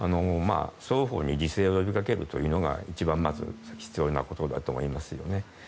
双方に自制を呼びかけるのが一番必要なことだと思いますね。